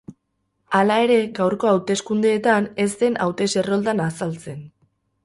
Hala ere, gaurko hauteskundeetan ez zen hautes-erroldan azaltzen.